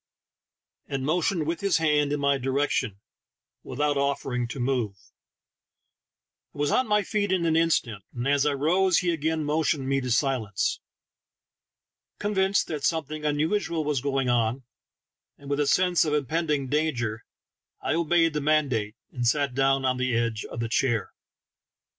and motioned with his hand in my direction, without offering to move. I was on my feet in an instant, and as I rose he again motioned me to silence. Convinced that some thing unusual was going on, and with a sense of impending danger, I obeyed the mandate, and sat down on the edge of the chair.